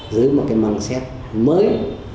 dưới một cái măng xét mới